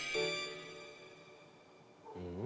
うん？